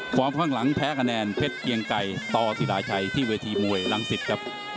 ฟอร์มข้างหลังแพ้คะแนนเพชรเกียงไกรตอสิราชัยที่วิทย์มวยลังศิษย์ครับ